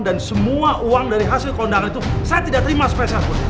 dan semua uang dari hasil kondangan itu saya tidak terima sepesang pun